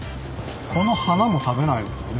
この花も食べないですね。